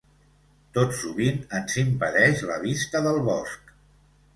Tot sovint ens impedeix la vista del bosc.